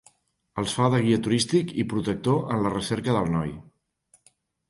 Els fa de guia turístic i protector en la recerca del noi.